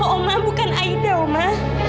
oma bukan aida oma